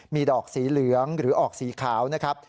มีดอกสีเหลืองหรือออกสีขาวนะครับ